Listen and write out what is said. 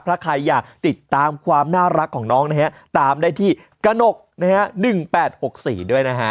ถ้าใครอยากติดตามความน่ารักของน้องนะฮะตามได้ที่กระหนกนะฮะ๑๘๖๔ด้วยนะฮะ